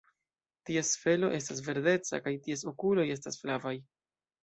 Ties felo estas verdeca kaj ties okuloj estas flavaj.